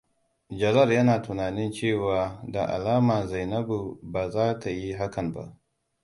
Jalal yana tunanin cewa da alama Zainabtu ba za ta yi hakan ba.